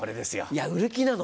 いや売る気なの？